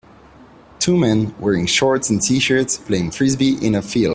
Two men, wearing shorts and tshirts, playing Frisbee in a field.